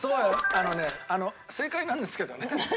あのね正解なんですけどね。